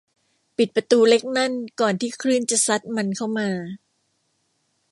ปิดประตูเล็กนั่นก่อนที่คลื่นจะซัดมันเข้ามา